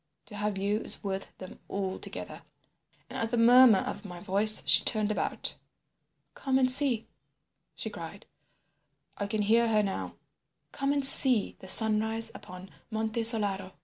to have you is worth them all together.' And at the murmur of my voice she turned about. "'Come and see,' she cried—I can hear her now—'come and see the sunrise upon Monte Solaro.